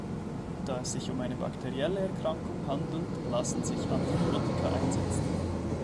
Da es sich um eine bakterielle Erkrankung handelt, lassen sich Antibiotika einsetzen.